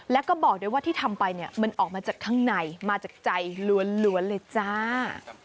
แล้วก็บอกด้วยว่าที่ทำไปเนี่ยมันออกมาจากข้างในมาจากใจล้วนเลยจ้า